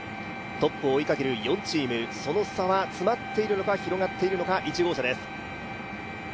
トップを追いかける４チーム、その差は詰まっているのか広がっているのか、１号車です。